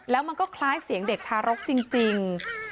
แล้วมันก็คล้ายเสียงเด็กทารกจริง